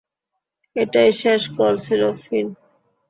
এটাই শেষ কল ছিল, ফিন।